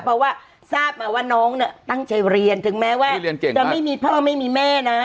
เพราะว่าทราบมาว่าน้องเนี่ยตั้งใจเรียนถึงแม้ว่าจะไม่มีพ่อไม่มีแม่นะ